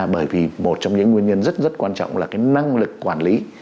bởi vì một trong những nguyên nhân rất rất quan trọng là cái năng lực quản lý